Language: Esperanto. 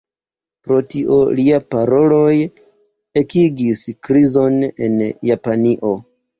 Pro tio, liaj paroloj ekigis krizon en Japanio.